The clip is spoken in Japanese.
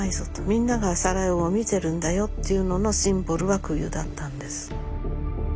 みんながサラエボを見てるんだよっていうののシンボルは空輸だったんです。